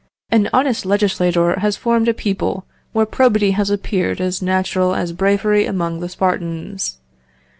An honest legislator has formed a people where probity has appeared as natural as bravery among the Spartans.